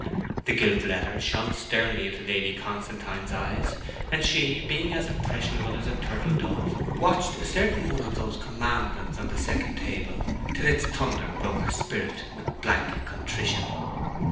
The gilt letters shone sternly into Lady Constantine's eyes; and she, being as impressionable as a turtle dove, watched a certain one of those commandments on the second table, till its thunder broke her spirit with blank contrition.